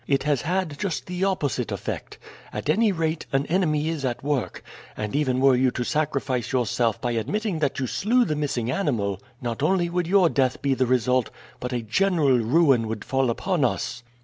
It has had just the opposite effect. At any rate, an enemy is at work, and even were you to sacrifice yourself by admitting that you slew the missing animal, not only would your death be the result, but a general ruin would fall upon us.